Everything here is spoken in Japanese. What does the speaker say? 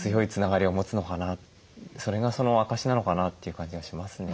それがその証しなのかなっていう感じがしますね。